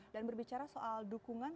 dan berbicara soal dukungan